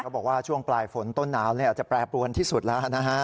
บอกว่าช่วงปลายฝนต้นหนาวจะแปรปรวนที่สุดแล้วนะฮะ